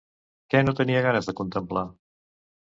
Què no tenia ganes de contemplar?